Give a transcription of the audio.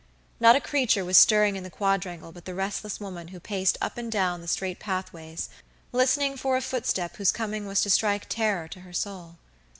Not a creature was stirring in the quadrangle but the restless woman who paced up and down the straight pathways, listening for a footstep whose coming was to strike terror to her soul.